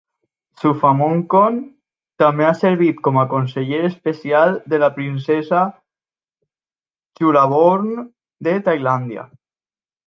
Suphamongkhon també ha servit com a conseller especial de la princesa Chulabhorn de Tailàndia.